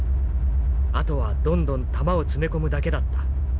あとはどんどん弾を詰め込むだけだった。